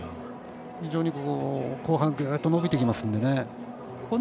非常に、後半ぐっと伸びてきますので。